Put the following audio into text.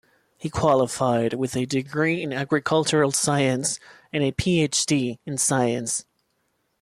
He qualified with a degree in Agricultural science and a PhD in science.